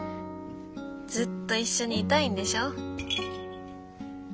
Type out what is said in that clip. ずっと一緒にいたいんでしょ？